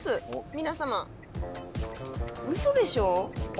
皆様ウソでしょ